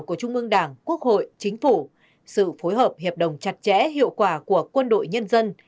của trung ương đảng quốc hội chính phủ sự phối hợp hiệp đồng chặt chẽ hiệu quả của quân đội nhân dân